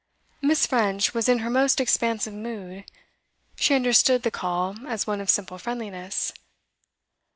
Miss. French was in her most expansive mood. She understood the call as one of simple friendliness.